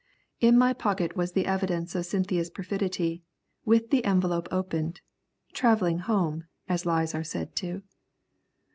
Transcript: In my pocket was the evidence of Cynthia's perfidy, with the envelope opened, travelling home, as lies are said to.